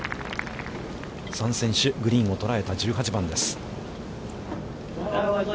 ３選手、グリーンを捉えた１８番です。